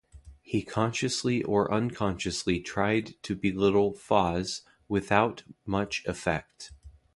He consciously or unconsciously tried to belittle Faiz, though without much effect.